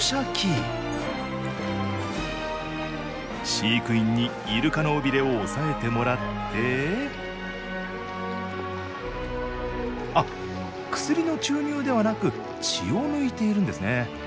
飼育員にイルカの尾びれを押さえてもらってあっ薬の注入ではなく血を抜いているんですね